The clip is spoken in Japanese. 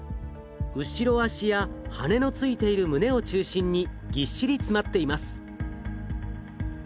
後ろ足や羽のついている胸を中心にぎっしり詰まっています。